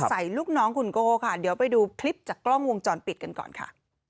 ลูกน้องคุณโก้ค่ะเดี๋ยวไปดูคลิปจากกล้องวงจรปิดกันก่อนค่ะ